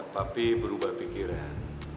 papi berubah pikiran